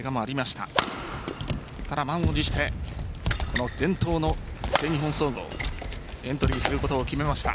ただ、満を持してこの伝統の全日本総合エントリーすることを決めました。